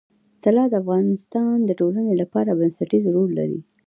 طلا د افغانستان د ټولنې لپاره بنسټيز رول لري.